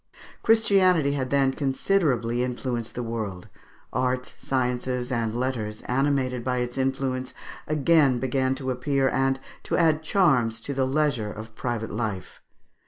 Christianity had then considerably influenced the world; arts, sciences, and letters, animated by its influence, again began to appear, and to add charms to the leisure of private life.